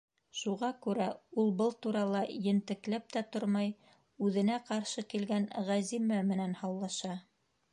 Шуға күрә, ул был турала ентекләп тә тормай, үҙенә ҡаршы килгән Ғәзимә менән һаулаша.